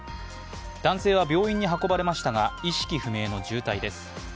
男性は病院に運ばれましたが、意識不明の重体です。